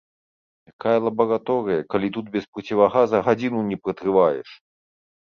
Якая лабараторыя, калі тут без процівагаза гадзіну не пратрываеш!